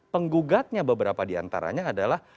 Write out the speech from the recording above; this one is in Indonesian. penggugatnya beberapa diantaranya adalah